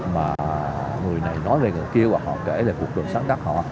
mà người này nói về người kia hoặc họ kể về cuộc đời sáng tác họ